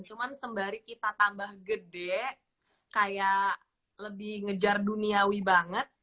cuman sembari kita tambah gede kayak lebih ngejar duniawi banget